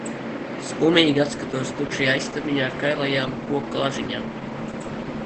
Skumīgi atskatos tukšajā istabiņā ar kailajām koka lažiņām.